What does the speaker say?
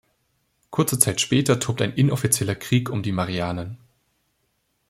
Kurze Zeit später tobt ein inoffizieller Krieg um die Marianen.